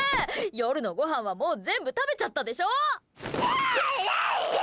夜のごはんはもう全部食べちゃったでしょ！